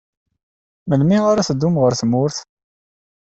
Melmi ara teddum ɣer tmurt?